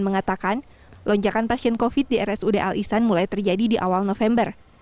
mengatakan lonjakan pasien covid di rsud al ihsan mulai terjadi di awal november